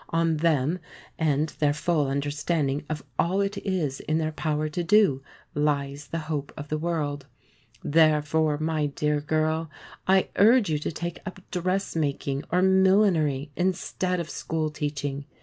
On them and their full understanding of all it is in their power to do, lies the hope of the world. Therefore, my dear girl, I urge you to take up dressmaking or millinery instead of school teaching.